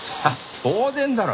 当然だろ。